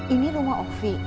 ini rumah ovi